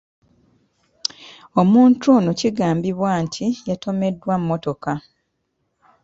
Omuntu ono kigambibwa nti yatomeddwa mmotoka.